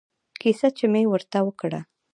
کيسه چې مې ورته وکړه.